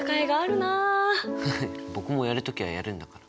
フフッ僕もやる時はやるんだから。